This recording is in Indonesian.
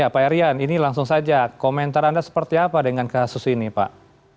pak erian ini langsung saja komentar anda seperti apa dengan kasus ini pak